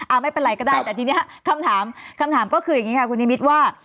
ไม่เป็นไรก็ได้แต่ทีนี้คำถามคำถามก็คืออย่างนี้ค่ะคุณนิมิตรว่า